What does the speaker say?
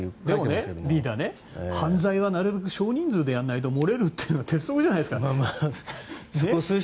でもリーダー、犯罪はなるべく少人数でやらないと漏れるというのが鉄則じゃないですか。